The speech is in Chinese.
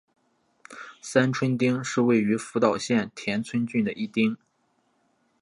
三春町是位于福岛县田村郡的一町。